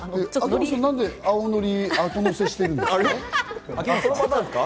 なんで青のり、あとのせしてるんですか？